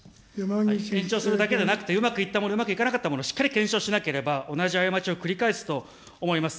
延長するだけじゃなくて、うまくいったもの、うまくいかなかったもの、しっかり検証しなければ同じ過ちを繰り返すと思います。